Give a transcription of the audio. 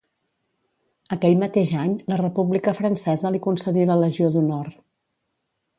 Aquell mateix any la República Francesa li concedí la Legió d'Honor.